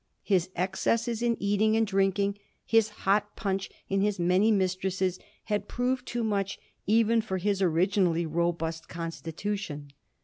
His excesses in eating and drinking, his hot punch, and his many mistresses, had proved too much even for his originally robust constitution.